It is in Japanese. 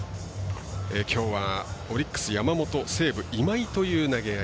きょうはオリックス、山本西武、今井という投げ合い。